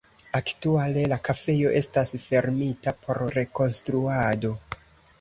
Aktuale la kafejo estas fermita por rekonstruado.